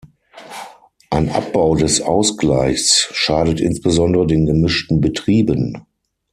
Ein Abbau des Ausgleichs schadet insbesondere den gemischten Betrieben.